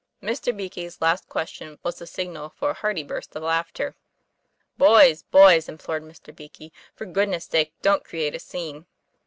Mr. Beakey's last question was the signal for a hearty burst of laughter. "Boys! boys!" implored Mr. Beakey, "for good ness' sake don't create a scene!"